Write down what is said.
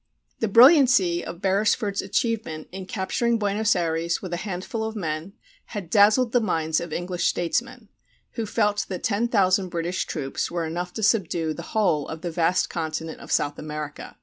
The brilliancy of Beresford's achievement in capturing Buenos Ayres with a handful of men had dazzled the minds of English statesmen, who felt that 10,000 British troops were enough to subdue the whole of the vast continent of South America.